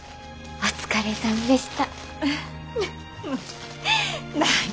お疲れさまでした！